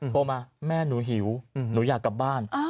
โทรมาแม่หนูหิวหนูอยากกลับบ้าน